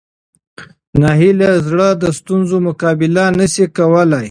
ناهیلي زړه د ستونزو مقابله نه شي کولی.